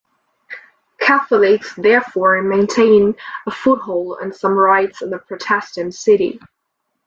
Catholics therefore maintained a foothold and some rights in the Protestant city.